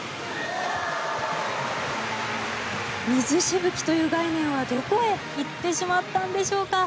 水しぶきという概念はどこへ行ってしまったんでしょうか。